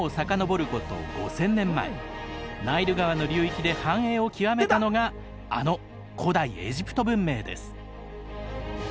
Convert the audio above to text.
ナイル川の流域で繁栄を極めたのがあの古代エジプト文明です。